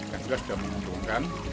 yang jelas sudah menguntungkan